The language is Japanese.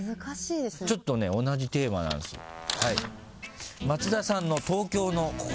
ちょっとね同じテーマなんですけど。